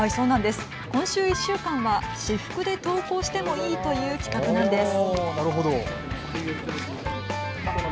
今週１週間は私服で登校してもいいという企画なんです。